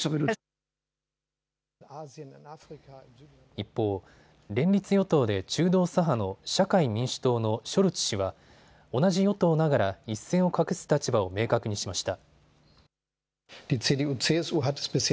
一方、連立与党で中道左派の社会民主党のショルツ氏は同じ与党ながら一線を画す立場を明確にしました。